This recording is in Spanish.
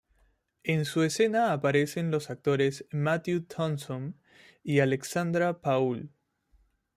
En su escena aparecen los actores Matthew Thompson y Alexandra Paul.